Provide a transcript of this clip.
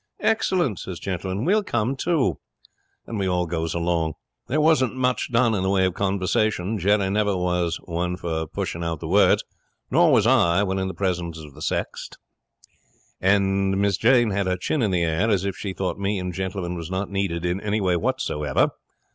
"Excellent," says Gentleman. "We'll come too." And we all goes along. There wasn't much done in the way of conversation. Jerry never was one for pushing out the words; nor was I, when in the presence of the sect; and Miss Jane had her chin in the air, as if she thought me and Gentleman was not needed in any way whatsoever.